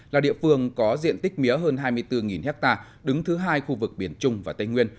là địa phương có diện tích mía hơn hai mươi bốn ha đứng thứ hai khu vực biển trung và tây nguyên